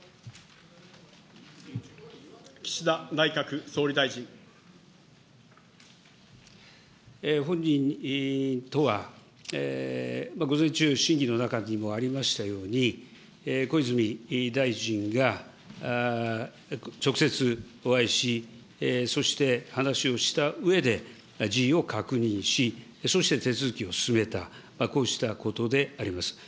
岸田内閣総理大臣。とは、午前中の審議の中にもありましたように、小泉大臣が直接お会いし、そして話をしたうえで、辞表を確認し、そして手続きを進めた、こうしたことであります。